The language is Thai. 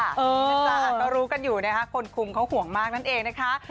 นะจ๊ะก็รู้กันอยู่นะคะคนคุมเขาห่วงมากนั่นเองนะคะ